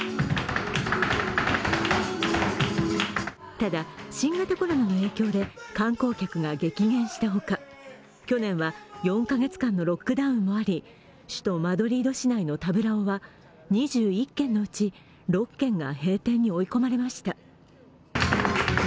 ただ、新型コロナの影響で観光客が激減したほか、去年は４カ月間のロックダウンもあり、首都マドリード市内のタブラオは２１軒のうち６軒が閉店に追い込まれました。